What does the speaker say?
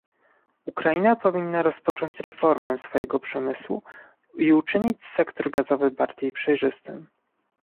Ukraina powinna rozpocząć reformę swojego przemysłu i uczynić sektor gazowy bardziej przejrzystym